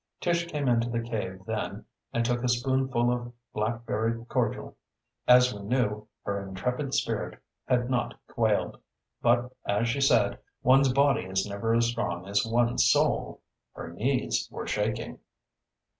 Tish came into the cave then and took a spoonful of blackberry cordial. As we knew, her intrepid spirit had not quailed; but, as she said, one's body is never as strong as one's soul. Her knees were shaking.